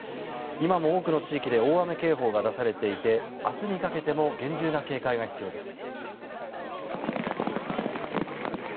今も多くの地域で大雨警報が出されていて明日にかけても厳重な警戒が必要です。